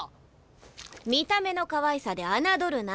見た目のかわいさで侮るな。